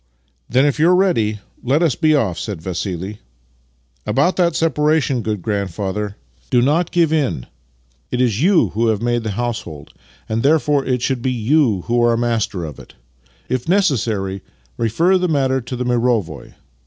" Then, if you are ready, let us be off," said Vassili. " About that separation, good grandfather — do not 30 Master and Man give in. It is yon who have made the household, and therefore it should be yoii who are master of it. If necessary, refer the matter to the mirovoi.